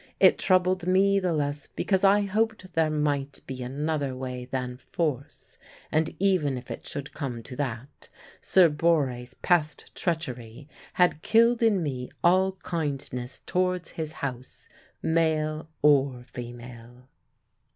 It troubled me the less because I hoped there might be another way than force; and even if it should come to that, Sir Borre's past treachery had killed in me all kindness towards his house, male or female.